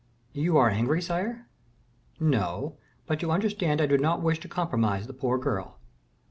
"You are angry, sire." "No; but you understand I do not wish to compromise the poor girl."